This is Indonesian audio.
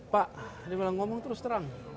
pak dia bilang ngomong terus terang